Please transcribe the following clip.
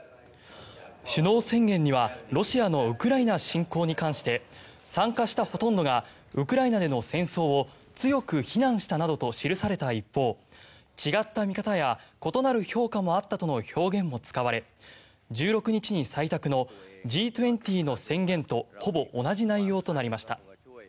首脳宣言にはロシアのウクライナ侵攻に関して参加したほとんどがウクライナでの戦争を強く非難したなどと記された一方違った見方や異なる評価もあったとの表現も使われ１６日に採択のＧ２０の宣言とほぼ同じ内容となりました。